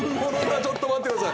ちょっと待って下さい。